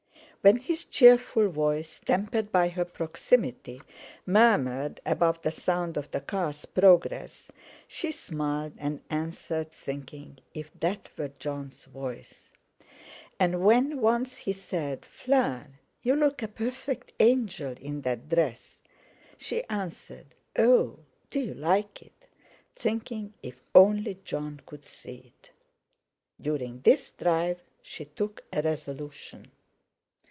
When his cheerful voice, tempered by her proximity, murmured above the sound of the car's progress, she smiled and answered, thinking: 'If that were Jon's voice!' and when once he said, "Fleur, you look a perfect angel in that dress!" she answered, "Oh, do you like it?" thinking, 'If only Jon could see it!' During this drive she took a resolution.